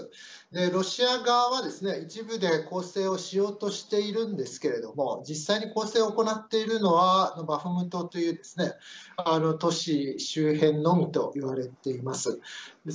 ロシア側は、一部で攻勢をしようとしているんですけれども、実際に攻勢を行っているのは、バフムトという都市周辺のみといわれています。